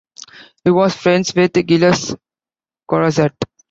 He was friends with Gilles Corrozet.